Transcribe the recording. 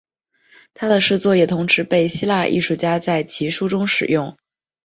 他的诗作也同时被希腊艺术家在其书中使用。